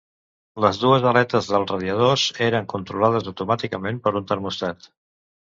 Les dues aletes dels radiadors eren controlades automàticament per un termòstat.